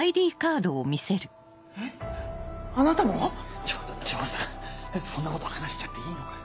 えっあなたも⁉ちょっと丈さんそんなこと話しちゃっていいのかよ？